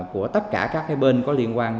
của tất cả các cái bên có liên quan